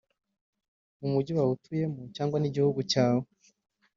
mu mugi wawe utuyemo cyangwa ndetse n’igihugu cyawe